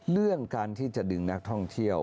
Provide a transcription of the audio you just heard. เรื่องการที่จะดึงนักท่องเที่ยว